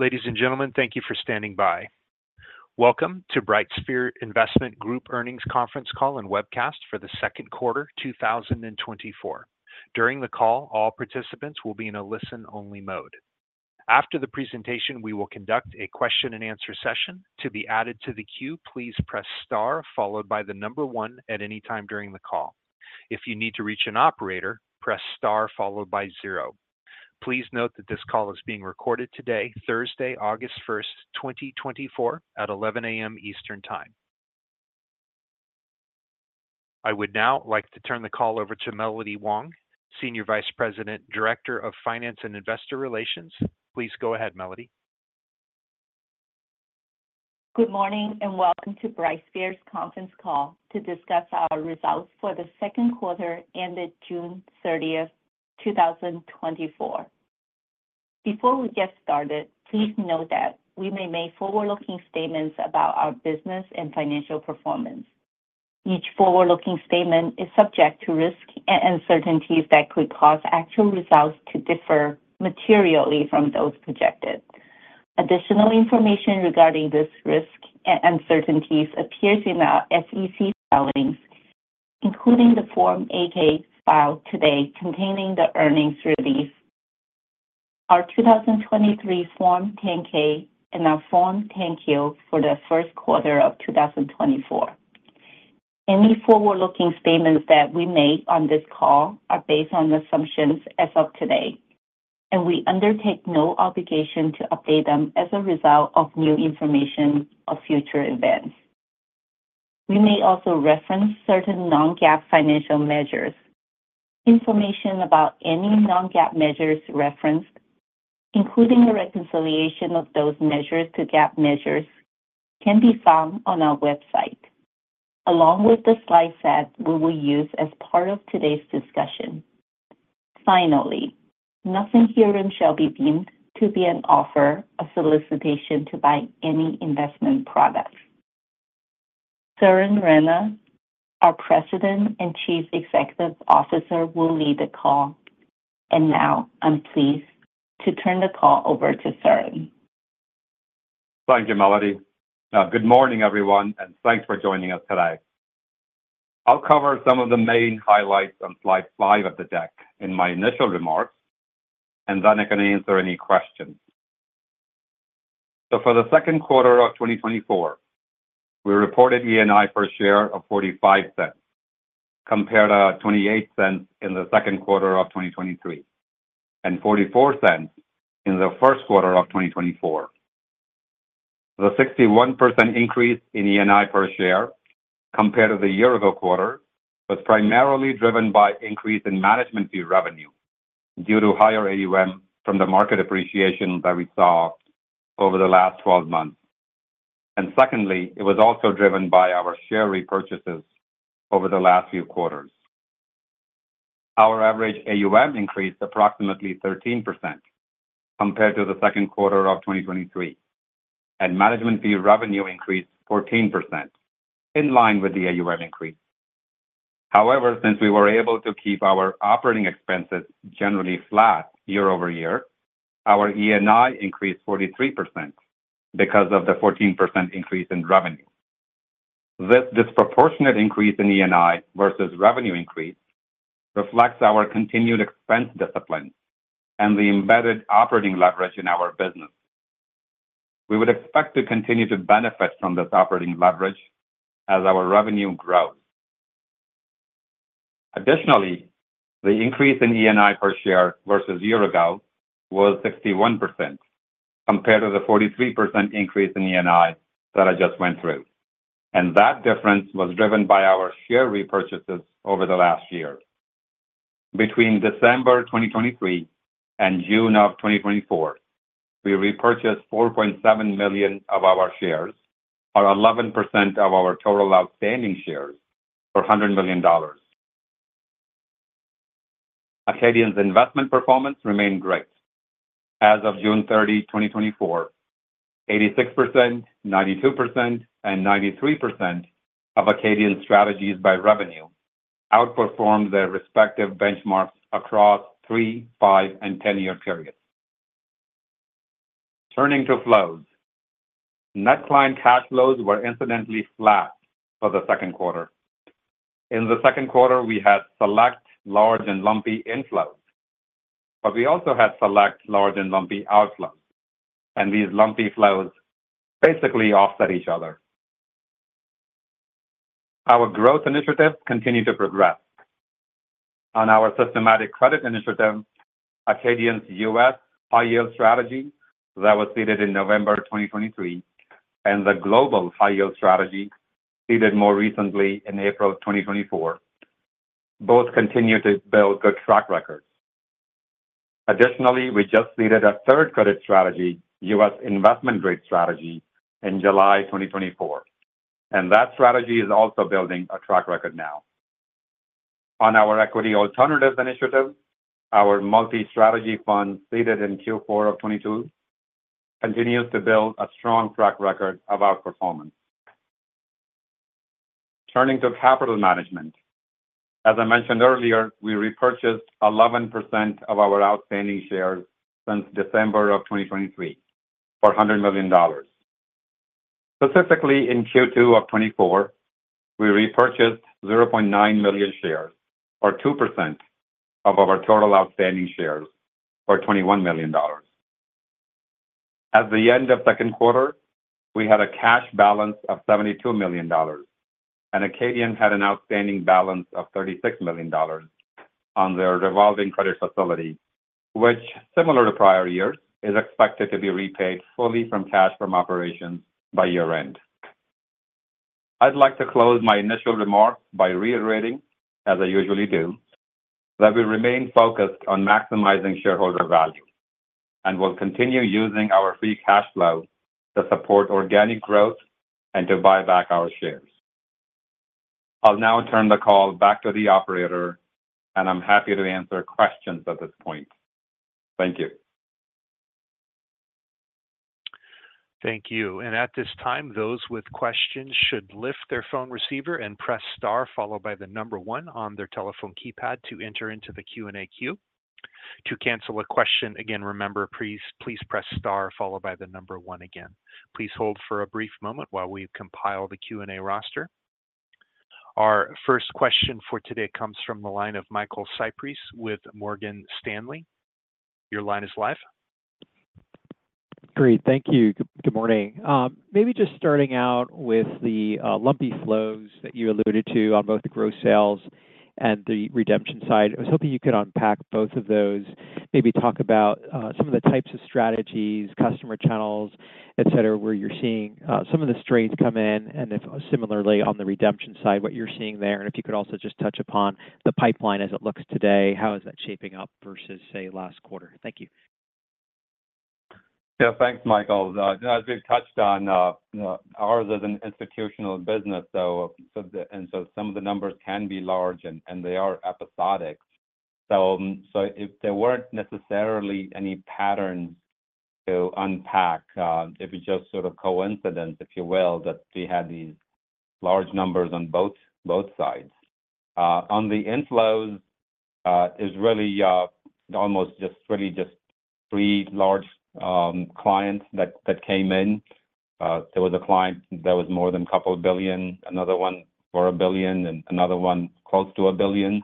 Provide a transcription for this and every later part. Ladies and gentlemen, thank you for standing by. Welcome to BrightSphere Investment Group Earnings Conference Call and Webcast for the second quarter, 2024. During the call, all participants will be in a listen-only mode. After the presentation, we will conduct a question and answer session. To be added to the queue, please press * followed by the number 1 at any time during the call. If you need to reach an operator, press * followed by 0. Please note that this call is being recorded today, Thursday, August 1, 2024, at 11:00 A.M. Eastern Time. I would now like to turn the call over to Melody Wong, Senior Vice President, Director of Finance and Investor Relations. Please go ahead, Melody. Good morning, and welcome to BrightSphere's conference call to discuss our results for the second quarter ended June 30, 2024. Before we get started, please note that we may make forward-looking statements about our business and financial performance. Each forward-looking statement is subject to risks and uncertainties that could cause actual results to differ materially from those projected. Additional information regarding this risk and uncertainties appears in our SEC filings, including the Form 8-K filed today, containing the earnings release, our 2023 Form 10-K and our Form 10-Q for the first quarter of 2024. Any forward-looking statements that we make on this call are based on assumptions as of today, and we undertake no obligation to update them as a result of new information or future events. We may also reference certain non-GAAP financial measures. Information about any non-GAAP measures referenced, including the reconciliation of those measures to GAAP measures, can be found on our website, along with the slide set we will use as part of today's discussion. Finally, nothing herein shall be deemed to be an offer or solicitation to buy any investment products. Suren Rana, our President and Chief Executive Officer, will lead the call. Now I'm pleased to turn the call over to Suren Rana. Thank you, Melody. Good morning, everyone, and thanks for joining us today. I'll cover some of the main highlights on slide 5 of the deck in my initial remarks, and then I'm going to answer any questions. For the second quarter of 2024, we reported ENI per share of $0.45, compared to our $0.28 in the second quarter of 2023, and $0.44 in the first quarter of 2024. The 61% increase in ENI per share compared to the year-ago quarter was primarily driven by increase in management fee revenue due to higher AUM from the market appreciation that we saw over the last 12 months. And secondly, it was also driven by our share repurchases over the last few quarters. Our average AUM increased approximately 13% compared to the second quarter of 2023, and management fee revenue increased 14%, in line with the AUM increase. However, since we were able to keep our operating expenses generally flat year-over-year, our ENI increased 43% because of the 14% increase in revenue. This disproportionate increase in ENI versus revenue increase reflects our continued expense discipline and the embedded operating leverage in our business. We would expect to continue to benefit from this operating leverage as our revenue grows. Additionally, the increase in ENI per share versus year-ago was 61%, compared to the 43% increase in ENI that I just went through, and that difference was driven by our share repurchases over the last year. Between December 2023 and June 2024, we repurchased 4.7 million of our shares, or 11% of our total outstanding shares, for $100 million. Acadian's investment performance remained great. As of June 30, 2024, 86%, 92%, and 93% of Acadian strategies by revenue outperformed their respective benchmarks across 3-, 5-, and 10-year periods. Turning to flows. Net client cash flows were incidentally flat for the second quarter. In the second quarter, we had select large and lumpy inflows, but we also had select large and lumpy outflows, and these lumpy flows basically offset each other. Our growth initiatives continue to progress. On our systematic credit initiative, Acadian's U.S. High Yield Strategy that was seeded in November 2023, and the global high yield strategy, seeded more recently in April 2024, both continue to build good track records. Additionally, we just seeded a third credit strategy, U.S., investment grade strategy, in July 2024, and that strategy is also building a track record now. On our equity alternatives initiative, our multi-strategy fund, seeded in Q4 of 2022, continues to build a strong track record of our performance. Turning to capital management. As I mentioned earlier, we repurchased 11% of our outstanding shares since December of 2023 for $100 million. Specifically, in Q2 of 2024, we repurchased 0.9 million shares, or 2% of our total outstanding shares, for $21 million. At the end of second quarter, we had a cash balance of $72 million, and Acadian had an outstanding balance of $36 million on their revolving credit facility, which, similar to prior years, is expected to be repaid fully from cash from operations by year-end. I'd like to close my initial remarks by reiterating, as I usually do, that we remain focused on maximizing shareholder value, and will continue using our free cash flow to support organic growth and to buy back our shares. I'll now turn the call back to the operator, and I'm happy to answer questions at this point. Thank you. Thank you. And at this time, those with questions should lift their phone receiver and press star, followed by the number one on their telephone keypad to enter into the Q&A queue. To cancel a question, again, remember, please, please press star followed by the number one again. Please hold for a brief moment while we compile the Q&A roster. Our first question for today comes from the line of Michael Cyprys with Morgan Stanley. Your line is live. Great. Thank you. Good morning. Maybe just starting out with the lumpy flows that you alluded to on both the gross sales and the redemption side. I was hoping you could unpack both of those, maybe talk about some of the types of strategies, customer channels, et cetera, where you're seeing some of the strains come in, and if similarly on the redemption side, what you're seeing there, and if you could also just touch upon the pipeline as it looks today, how is that shaping up versus, say, last quarter? Thank you. Yeah, thanks, Michael. As we've touched on, ours is an institutional business, so some of the numbers can be large and they are episodic. So, if there weren't necessarily any patterns to unpack, it was just sort of coincidence, if you will, that we had these large numbers on both sides. On the inflows, it is really almost just three large clients that came in. There was a client that was more than $2 billion, another one for $1 billion, and another one close to $1 billion.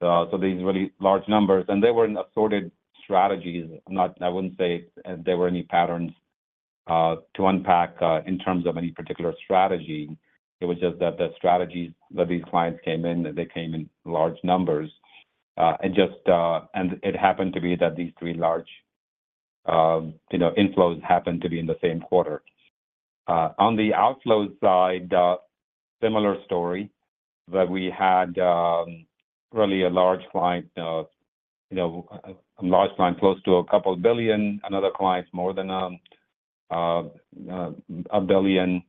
So these really large numbers, and they were in assorted strategies. I wouldn't say there were any patterns to unpack in terms of any particular strategy. It was just that the strategies that these clients came in, they came in large numbers. And just, and it happened to be that these three large, you know, inflows happened to be in the same quarter. On the outflows side, similar story, that we had, really a large client, you know, a large client, close to $2 billion, another client, more than $1 billion,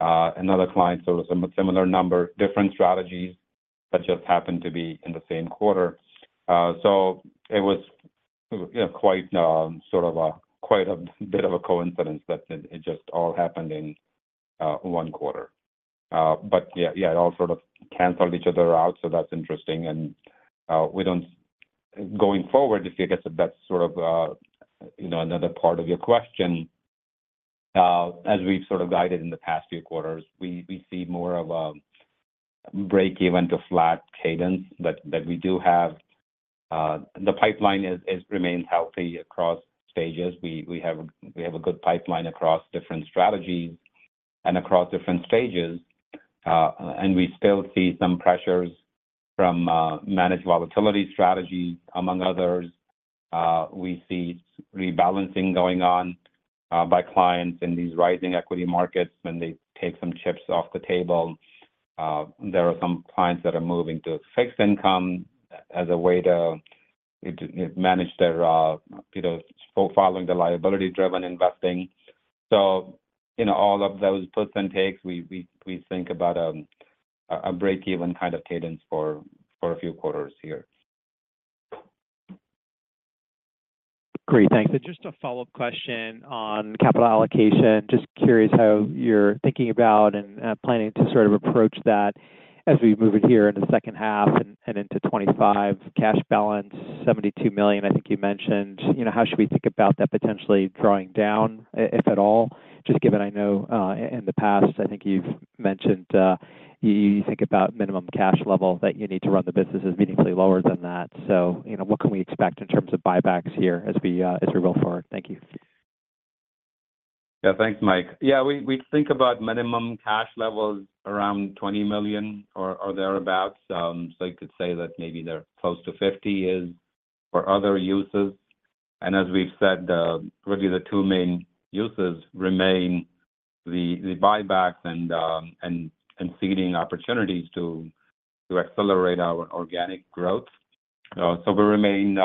another client. So it was a similar number, different strategies that just happened to be in the same quarter. So it was quite sort of a quite a bit of a coincidence that it just all happened in one quarter. But yeah, yeah, it all sort of canceled each other out, so that's interesting. Going forward, if I guess that's sort of, you know, another part of your question. As we've sort of guided in the past few quarters, we see more of a break even to flat cadence, but we do have the pipeline remains healthy across stages. We have a good pipeline across different strategies and across different stages, and we still see some pressures from managed volatility strategies, among others. We see rebalancing going on by clients in these rising equity markets when they take some chips off the table. There are some clients that are moving to fixed income as a way to manage their, you know, profiling, the liability-driven investing. You know, all of those puts and takes, we think about a break-even kind of cadence for a few quarters here. Great, thanks. Just a follow-up question on capital allocation. Just curious how you're thinking about and planning to sort of approach that as we move it here in the second half and into 25. Cash balance, $72 million, I think you mentioned. You know, how should we think about that potentially drawing down, if at all? Just given, I know, in the past, I think you've mentioned you think about minimum cash level that you need to run the business is meaningfully lower than that. So, you know, what can we expect in terms of buybacks here as we go forward? Thank you. Yeah, thanks, Mike. Yeah, we think about minimum cash levels around $20 million or thereabout. So you could say that maybe they're close to $50 million for other uses. And as we've said, really the two main uses remain the buybacks and seeding opportunities to accelerate our organic growth. So we remain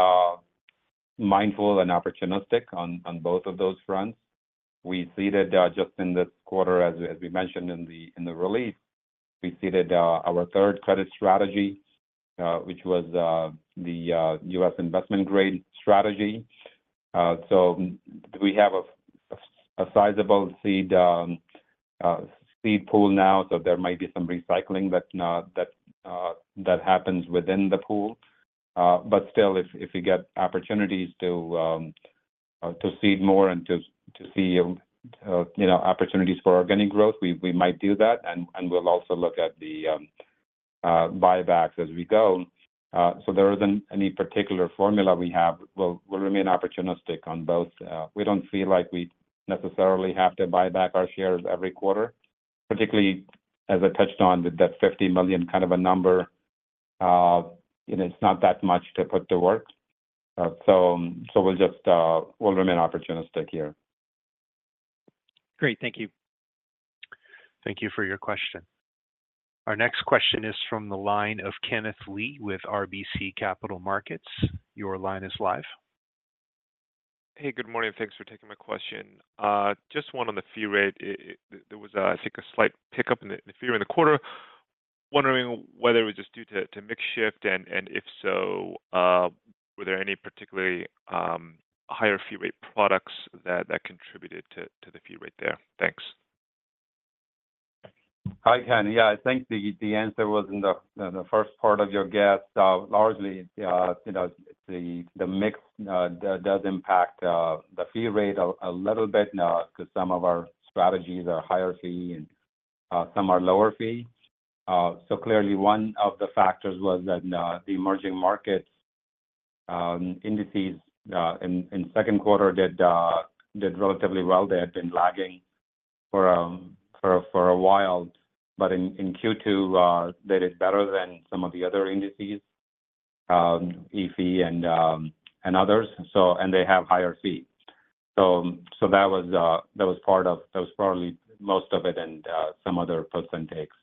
mindful and opportunistic on both of those fronts. We seeded just in this quarter, as we mentioned in the release, we seeded our third credit strategy, which was the U.S., investment grade strategy. So we have a sizable seed pool now, so there might be some recycling that happens within the pool. But still, if we get opportunities to seed more and to see opportunities for organic growth, we might do that. And we'll also look at the buybacks as we go. So there isn't any particular formula we have. We'll remain opportunistic on both. We don't feel like we necessarily have to buy back our shares every quarter, particularly as I touched on, that $50 million kind of a number, you know, it's not that much to put to work. So we'll just remain opportunistic here. Great. Thank you. Thank you for your question. Our next question is from the line of Kenneth Lee with RBC Capital Markets. Your line is live. Hey, good morning, and thanks for taking my question. Just one on the fee rate. There was, I think, a slight pickup in the fee in the quarter. Wondering whether it was just due to mix shift, and if so, were there any particularly higher fee rate products that contributed to the fee rate there? Thanks. Hi, Ken. Yeah, I think the answer was in the first part of your guess. Largely, you know, the mix does impact the fee rate a little bit, 'cause some of our strategies are higher fee and some are lower fee. So clearly, one of the factors was that the emerging markets indices in second quarter did relatively well. They had been lagging for a while. But in Q2, they did better than some of the other indices, EAFE and others. So and they have higher fees. So, that was part of, that was probably most of it and some other puts and takes.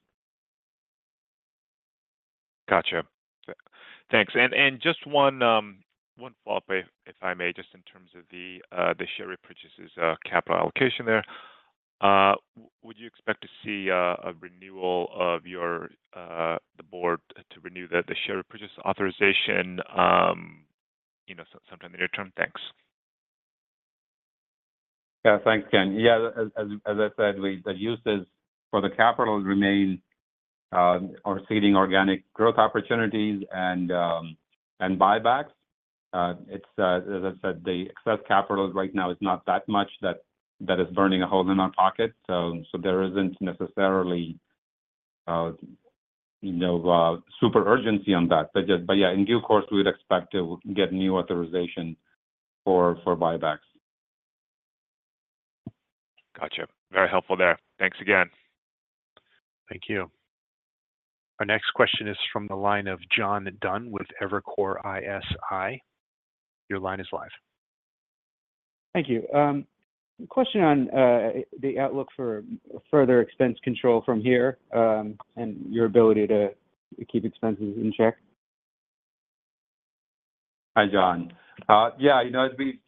Gotcha. Thanks. And just one follow-up, if I may, just in terms of the share repurchases, capital allocation there. Would you expect to see a renewal of the board to renew the share repurchase authorization, you know, sometime in the near term? Thanks. Yeah. Thanks, Ken. Yeah, as I said, the uses for the capital remain are seeding organic growth opportunities and buybacks. As I said, the excess capital right now is not that much that is burning a hole in our pocket. So there isn't necessarily, you know, super urgency on that. But yeah, in due course, we'd expect to get new authorization for buybacks. Gotcha. Very helpful there. Thanks again. Thank you. Our next question is from the line of John Dunn with Evercore ISI. Your line is live. Thank you. Question on the outlook for further expense control from here, and your ability to keep expenses in check? Hi, John. Yeah, you know, as we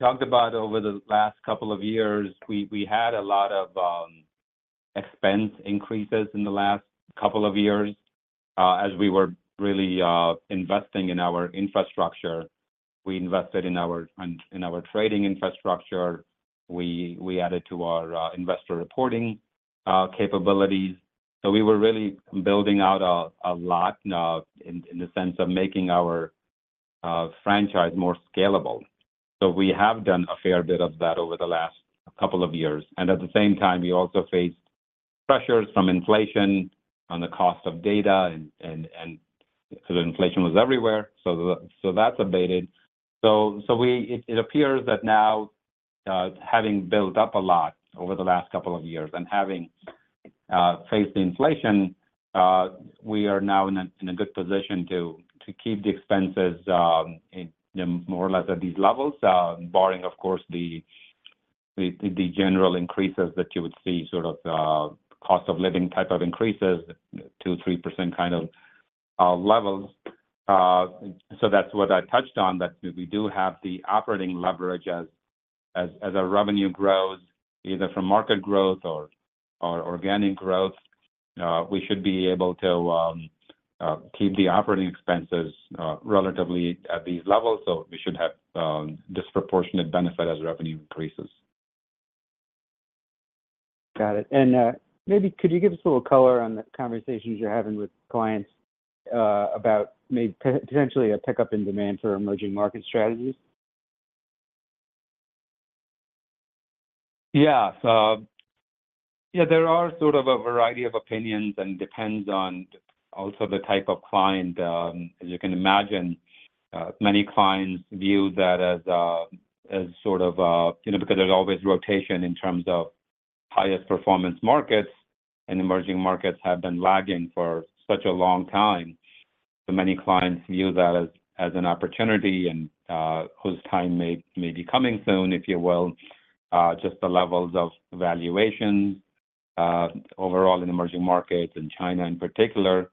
talked about over the last couple of years, we had a lot of expense increases in the last couple of years, as we were really investing in our infrastructure. We invested in our trading infrastructure. We added to our investor reporting capabilities. So we were really building out a lot in the sense of making our franchise more scalable. So we have done a fair bit of that over the last couple of years, and at the same time, we also faced pressures from inflation on the cost of data and so the inflation was everywhere. So that's abated. So it appears that now, having built up a lot over the last couple of years and having faced the inflation, we are now in a good position to keep the expenses more or less at these levels, barring, of course, the general increases that you would see, sort of, cost of living type of increases, 2%-3% kind of levels. So that's what I touched on, that we do have the operating leverage as our revenue grows, either from market growth or organic growth. We should be able to keep the operating expenses relatively at these levels, so we should have disproportionate benefit as revenue increases. Got it. Maybe could you give us a little color on the conversations you're having with clients about maybe potentially a pickup in demand for emerging market strategies? Yeah. So, yeah, there are sort of a variety of opinions and depends on also the type of client. As you can imagine, many clients view that as sort of, you know, because there's always rotation in terms of highest performance markets, and emerging markets have been lagging for such a long time. So many clients view that as an opportunity and whose time may be coming soon, if you will. Just the levels of valuation overall in emerging markets, in China, in particular.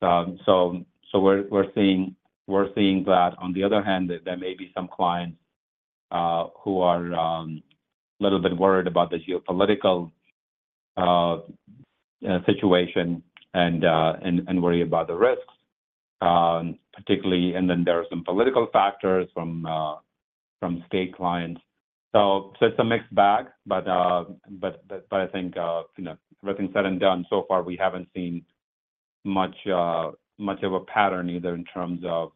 So we're seeing that on the other hand, that there may be some clients who are a little bit worried about the geopolitical situation and worry about the risks, particularly... And then there are some political factors from state clients. So it's a mixed bag, but I think, you know, everything said and done, so far we haven't seen much of a pattern, either in terms of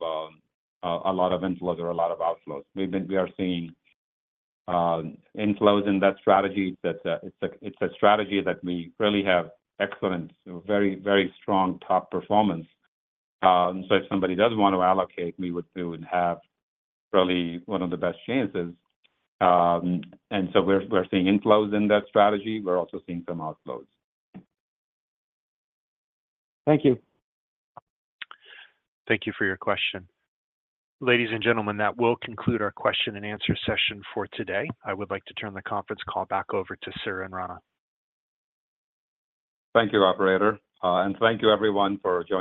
a lot of inflows or a lot of outflows. We are seeing inflows in that strategy, that it's a strategy that we really have excellent, very, very strong top performance. So if somebody does want to allocate, we would do and have really one of the best chances. And so we're seeing inflows in that strategy. We're also seeing some outflows. Thank you. Thank you for your question. Ladies and gentlemen, that will conclude our question and answer session for today. I would like to turn the conference call back over to Suren Rana. Thank you, operator. Thank you, everyone, for joining.